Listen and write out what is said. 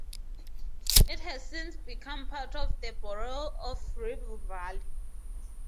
It has since become part of the borough of Ribble Valley.